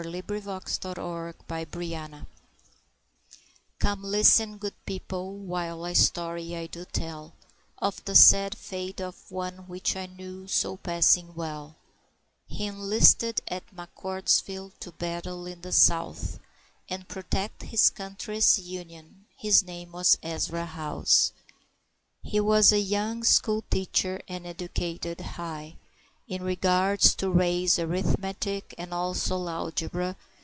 Ezra House Come listen, good people, while a story I do tell, Of the sad fate of one which I knew so passing well; He enlisted at McCordsville, to battle in the south, And protect his country's union; his name was Ezra House. He was a young school teacher, and educated high In regards to Ray's arithmetic, and also Alegbra.